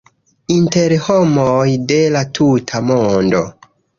Inter homoj de la tuta mondo